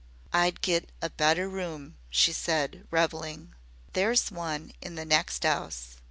"I'd get a better room," she said, revelling. "There's one in the next 'ouse.